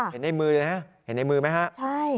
เห็นในมือไหมครับ